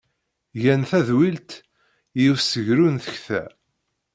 Gan tadwilt i ussegrew n tekta.